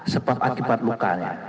sebab akibat lukanya